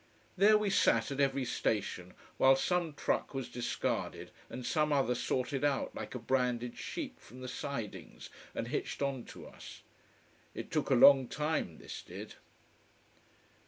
There we sat, at every station, while some truck was discarded and some other sorted out like a branded sheep, from the sidings and hitched on to us. It took a long time, this did.